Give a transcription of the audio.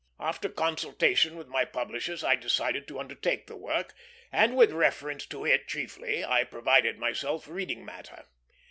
After consultation with my publishers I decided to undertake the work, and with reference to it chiefly I provided myself reading matter.